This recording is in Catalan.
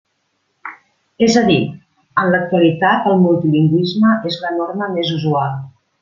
És a dir, en l'actualitat el multilingüisme és la norma més usual.